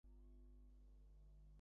না, থা-থামো।